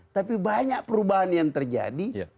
tapi banyak perubahan yang terjadi